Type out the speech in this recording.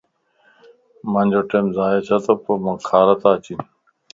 مانجو ٽيم ضائع ڇتوپومانک کارتا اچين